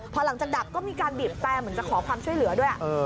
พอหลังจากดับก็มีการบีบแต่เหมือนจะขอความช่วยเหลือด้วย